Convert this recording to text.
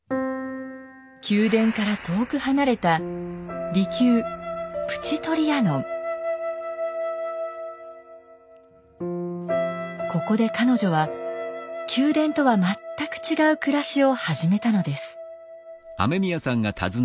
宮殿から遠く離れたここで彼女は宮殿とは全く違う暮らしを始めたのです。